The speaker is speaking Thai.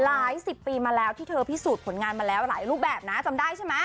หลายสิบปีมาแล้วที่เธอพิสูจน์ผลงานมาแล้วหลายรูปแบบนะจำได้ใช่ไหม